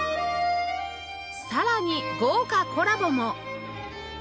さらに豪華コラボも！